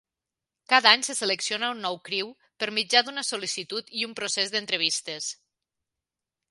Cada any se selecciona un nou krewe per mitjà d'una sol·licitud i un procés d'entrevistes.